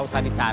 di rumah diza